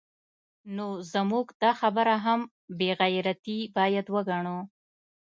نو زموږ دا خبره هم بې غیرتي باید وګڼو